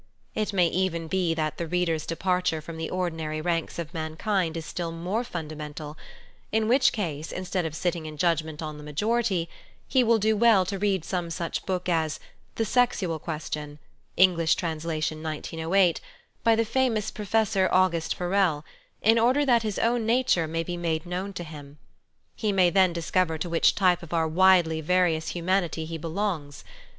It may even be that the reader's departure from the ordinary ranks of mankind is still more fundamental, in which case, instead of sitting in judgment on the majority, he will do well to read some such book as "The Sexual Question " (English translation 1908) by the femous Professor August Forel, in order that his own nature may be made known to him. He may then discover to which type of our widely various humanity he belongs.